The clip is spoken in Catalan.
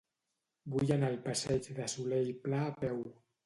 Vull anar al passeig de Solé i Pla a peu.